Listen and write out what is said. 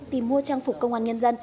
tìm mua trang phục công an nhân dân